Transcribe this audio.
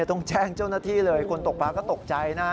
ต้องแจ้งเจ้าหน้าที่เลยคนตกปลาก็ตกใจนะ